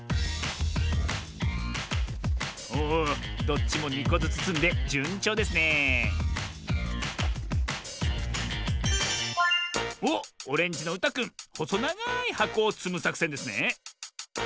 おおどっちも２こずつつんでじゅんちょうですねえおっオレンジのうたくんほそながいはこをつむさくせんですね。